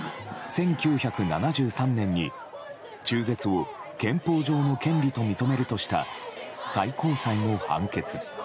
１９７３年に、中絶を憲法上の権利と認めるとした最高裁の判決。